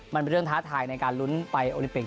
มันเป็นเรื่องท้าทายในการลุ้นไปโอลิปิก